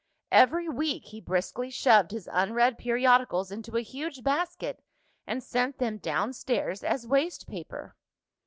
Every week, he briskly shoved his unread periodicals into a huge basket, and sent them downstairs as waste paper.